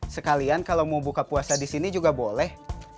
sekalian kalo mau buka puasa disini juga boleh